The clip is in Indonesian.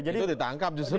itu ditangkap justru